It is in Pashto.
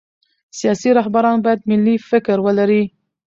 سیاسي رهبران باید ملي فکر ولري